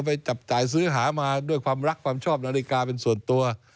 ไปจับจ่ายซื้อหามาด้วยความรักความชอบนาฬิกาเป็นส่วนตัว